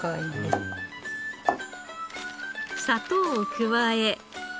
砂糖を加え。